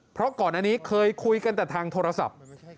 เพราะก่อนอันนี้เคยคุยกันแต่ทางโทรศัพท์